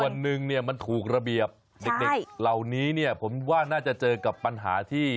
วันหนึ่งเนี่ยมันถูกระเบียบเด็กเหล่านี้เนี่ยผมว่าน่าจะเจอกับปัญหาที่